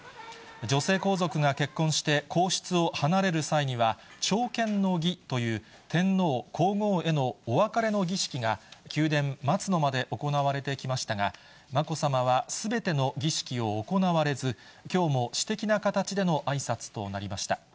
女性皇族が結婚して皇室を離れる際には、朝見の儀という、天皇皇后へのお別れの儀式が宮殿・松の間で行われてきましたが、まこさまはすべての儀式を行われず、きょうも私的な形でのあいさつとなりました。